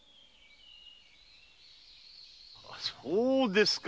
そうですか。